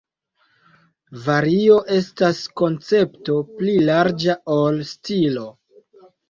Vario estas koncepto pli larĝa ol stilo.